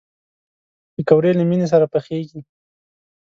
پکورې له مینې سره پخېږي